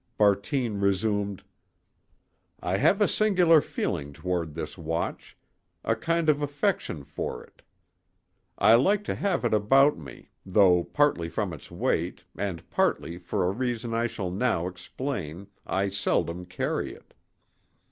Bartine resumed: "I have a singular feeling toward this watch—a kind of affection for it; I like to have it about me, though partly from its weight, and partly for a reason I shall now explain, I seldom carry it.